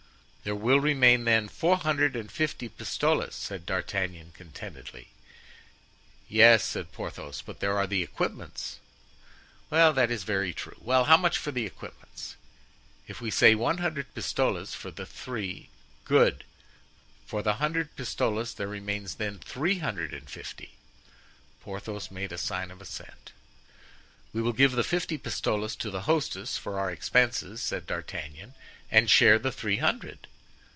"There will remain, then, four hundred and fifty pistoles," said D'Artagnan, contentedly. "Yes," said Porthos, "but there are the equipments." "That is very true. Well, how much for the equipments?" "If we say one hundred pistoles for the three——" "Good for the hundred pistoles; there remains, then, three hundred and fifty." Porthos made a sign of assent. "We will give the fifty pistoles to the hostess for our expenses," said D'Artagnan, "and share the three hundred."